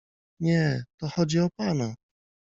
— Nie, to chodzi o pana.